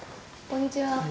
こんにちは。